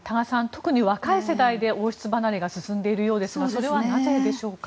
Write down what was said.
特に若い世代で王室離れが進んでいるようですがそれはなぜでしょうか。